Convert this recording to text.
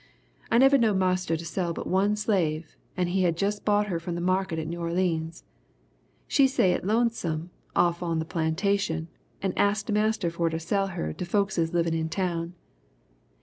"I never knowed Marster to sell but one slave and he jus' had bought her from the market at New Orleans. She say it lonesome off on the plantation and axed Marster for to sell her to folkses livin' in town.